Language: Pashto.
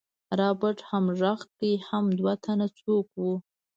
رابرټ هم غږ کړ حم دوه تنه څوک وو.